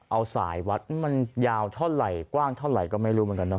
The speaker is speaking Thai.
เอาสายวัดมันยาวเท่าไหร่กว้างเท่าไหร่ก็ไม่รู้เหมือนกันเนอ